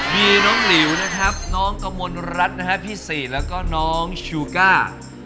มีน้องหลิวนะครับน้องกมลรัฐนะฮะพี่ศรีแล้วก็น้องชูก้า